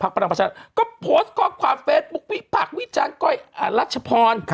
ภาคประดังประชาชนก็โพสต์กรอบความเฟสบุ๊ควิพักวิจารณ์ก้อยรัชพร